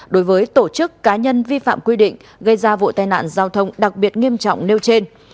đối với tổ chức cá nhân vi phạm quy định gây ra vụ tai nạn giao thông đặc biệt nghiêm trọng nêu trên